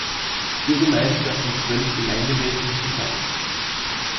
Bürgermeister und zwölf Gemeinderäten zusammen.